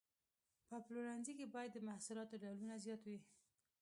په پلورنځي کې باید د محصولاتو ډولونه زیات وي.